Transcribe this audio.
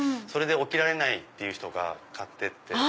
それで起きられない人が買って。